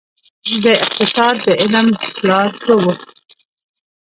د اقتصاد د علم پلار څوک وه؟